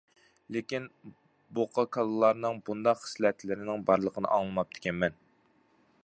لېكىن بۇقا-كالىلارنىڭ بۇنداق خىسلەتلىرىنىڭ بارلىقىنى ئاڭلىماپتىكەنمەن.